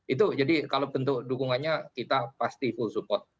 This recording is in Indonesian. itu jadi kalau bentuk dukungannya kita pasti full support